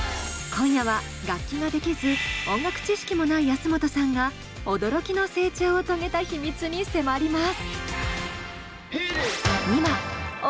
今夜は楽器ができず音楽知識もない安本さんが驚きの成長を遂げた秘密に迫ります！